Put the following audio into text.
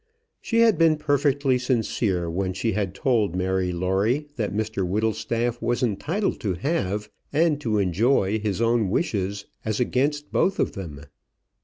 She had been perfectly sincere when she had told Mary Lawrie that Mr Whittlestaff was entitled to have and to enjoy his own wishes as against both of them.